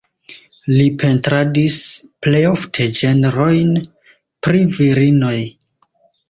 Li pentradis plej ofte ĝenrojn pri virinoj.